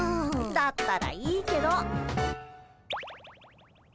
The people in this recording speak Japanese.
だったらいいけど。